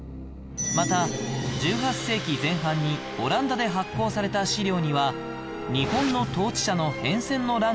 また１８世紀前半にオランダで発行された資料には日本の統治者の変遷の欄があり